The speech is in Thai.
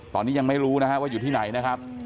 ตอนนี้ยังไม่รู้นะฮะว่าอยู่ที่ไหนนะครับ